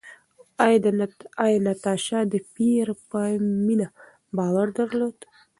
ایا ناتاشا د پییر په مینه باور درلود؟